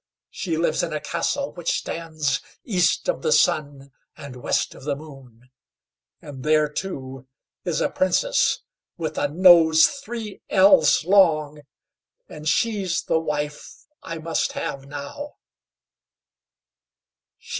She lives in a Castle which stands East of the Sun and West of the Moon, and there, too, is a Princess, with a nose three ells long, and she's the wife I must have now."